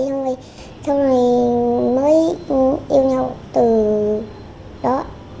xong rồi mới yêu nhau từ đó